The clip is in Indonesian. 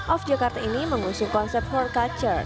off jakarta ini mengusung konsep hortik